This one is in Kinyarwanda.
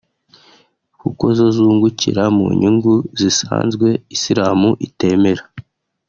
kuko zo zungukira mu nyungu zisanzwe Islam itemera